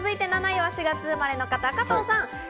７位は４月生まれの方、加藤さん。